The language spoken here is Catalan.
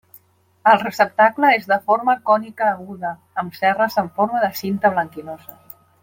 El receptacle és de forma cònica aguda, amb cerres amb forma de cinta blanquinoses.